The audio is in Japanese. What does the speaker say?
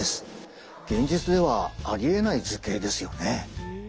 現実ではありえない図形ですよね。